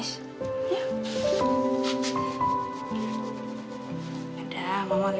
shhh jangan nangis ya